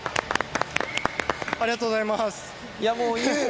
ありがとうございます。